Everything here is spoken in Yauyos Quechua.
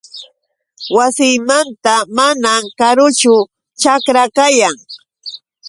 Wasiymanta manam karuchu ćhakra kayan.